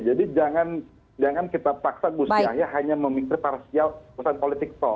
jadi jangan kita paksa gus yahya hanya memikir parsial pusat politik